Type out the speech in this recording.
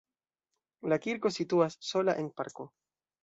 La kirko situas sola en parko.